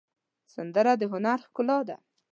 سندره د هنر ښکلا ده